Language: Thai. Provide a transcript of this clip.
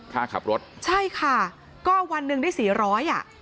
ค่าขับรถใช่ค่ะก็วันหนึ่งได้สี่ร้อยอ่ะ